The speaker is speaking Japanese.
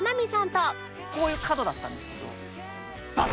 こういう角だったんですけどバッ！